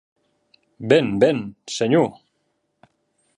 Ben, ben, senhor!